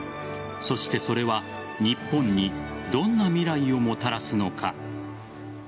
そして、それは日本にどんな未来をもたらすのか。